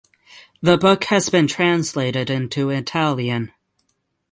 The book has been translated into Italian.